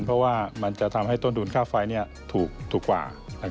เพราะว่ามันจะทำให้ต้นทุนค่าไฟถูกกว่า